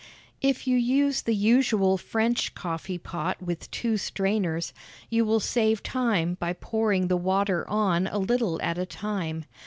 If you use the usual French coffee pot with two strainers, you will save time by pouring the water on a little at a time.